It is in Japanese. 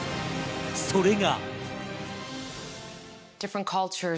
それが。